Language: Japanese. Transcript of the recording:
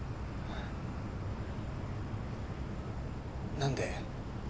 何で？